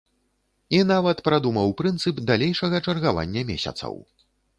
І нават прадумаў прынцып далейшага чаргавання месяцаў.